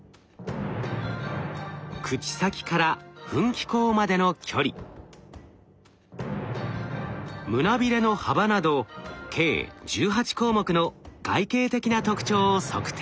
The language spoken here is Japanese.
口先から噴気孔までの距離胸びれの幅など計１８項目の外形的な特徴を測定。